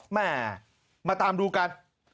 แม่มาตามดูกัน